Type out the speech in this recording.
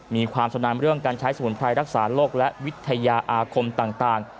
มีความชำนาญเรื่องการใช้สมุนไพรรักษาโรคและวิทยาอาคมต่าง